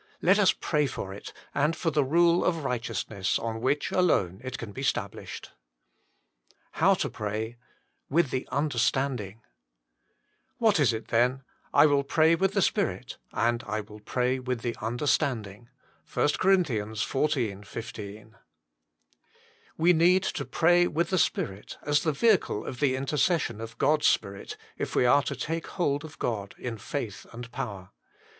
Let us pray for it, and for the rule of righteousness on which alone it can be stablished. HOW TO PHAY. tBEtth t!je fttntitrstnnblttjj "What is it then? I will pray with the spirit, and I will pray with the understanding." 1 COR. xiv. 15. We need to pray with the spirit, as the vehicle of the inter cession of God s Spirit, if we are to take hold of God in faith and power.